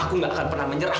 aku gak akan pernah menyerah